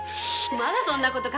まだそんな事を？